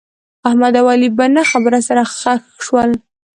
احمد او علي په نه خبره سره خښ شول.